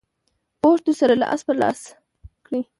پوسټ در سره لاس پر لاس کړئ.